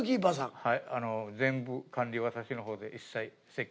はい。